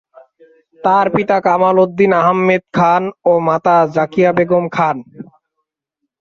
তার পিতা কামাল উদ্দিন আহমেদ খান ও মাতা জাকিয়া বেগম খান।